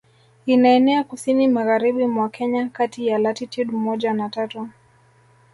Inaenea kusini magharibi mwa Kenya kati ya latitude moja na tatu